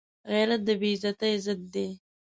غیرت د بې عزتۍ ضد دی